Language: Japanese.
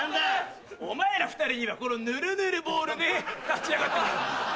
お前ら２人にはこのヌルヌルボールで立ち上がってもらう。